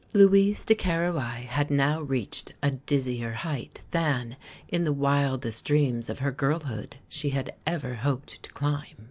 Louise de Querouaille had now reached a dizzier height than, in the wildest dreams of her girlhood, she had ever hoped to climb.